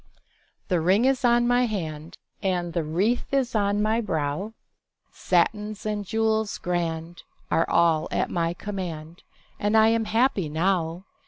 THE ring is on my hand, And the wreath is on my brow; Satins and jewels grand Are all at my command, And I am happy now.